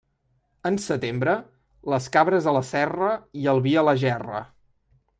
En setembre, les cabres a la serra i el vi a la gerra.